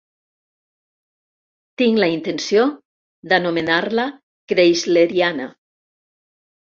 Tinc la intenció d'anomenar-la Kreisleriana.